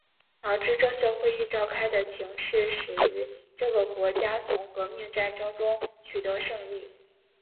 导致这次会议召开的情势始于这个国家从革命战争中取得胜利。